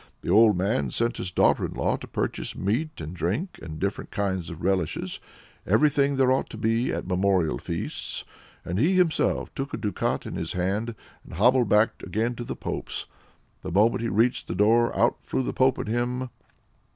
The old man sent his daughter in law to purchase meat and drink and different kind of relishes everything there ought to be at memorial feasts and he himself took a ducat in his hand and hobbled back again to the pope's. The moment he reached the door, out flew the pope at him.